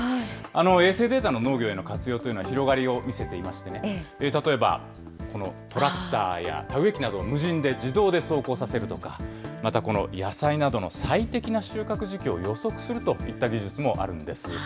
衛星データの農業への活用というのは広がりを見せていましてね、例えば、このトラクターや田植え機などを無人で自動で走行させるとか、またこの野菜などの最適な収穫時期を予測するといった技術もあるんです。